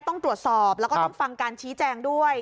ต้องตรวจสอบแล้วก็ต้องฟังการชี้แจงด้วย